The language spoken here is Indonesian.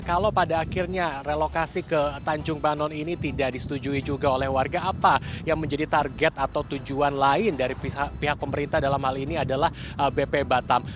kalau pada akhirnya relokasi ke tanjung banon ini tidak disetujui juga oleh warga apa yang menjadi target atau tujuan lain dari pihak pemerintah dalam hal ini adalah bp batam